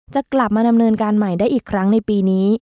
จะกลับมาดำเนินการใหม่ได้อีกครั้งในปีนี้